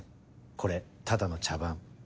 これただの茶番。